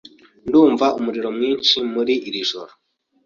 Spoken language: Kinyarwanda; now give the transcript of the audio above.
Ndumva umuriro mwinshi muri iri joro.